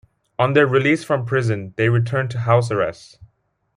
On their release from prison, they returned to house arrest.